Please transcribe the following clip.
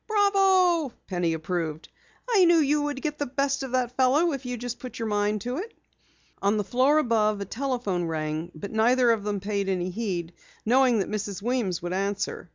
"Bravo," Penny approved. "I knew you could get the best of that fellow if you just put your mind to it." On the floor above a telephone rang, but neither of them paid any heed, knowing that Mrs. Weems would answer.